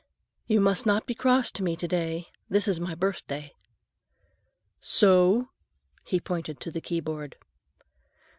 "You must not be cross to me to day. This is my birthday." "So?" he pointed to the keyboard.